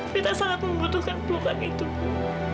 kita sangat membutuhkan perubahan itu bu